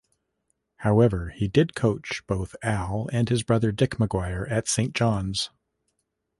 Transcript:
However, he did coach both Al and his brother Dick McGuire at Saint John's.